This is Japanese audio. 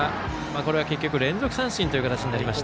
これは結局連続三振となりました。